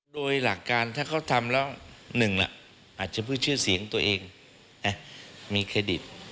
โดยหลักการถ้าเขาทำแล้วหนึ่งล่ะอาจจะพูดชื่อเสียงตัวเองมีเครดิต